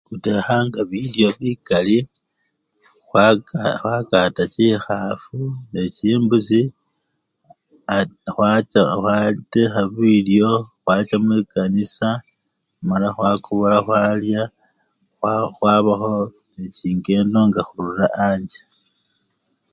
Khutekhanaga bilyo bikali khwaka khwakata chikhafu nechimbusi at! khwach! khwa! khwatekha bilyo khwacha mwikanisa mala khwakobola khwalya khw! khwabakho nechingedo nga khurura amjje.